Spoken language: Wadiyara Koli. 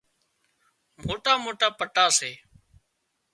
موٽا موٽا پٽا سي